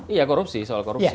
iya korupsi soal korupsi